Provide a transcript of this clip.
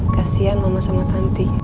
kasian mama sama tanti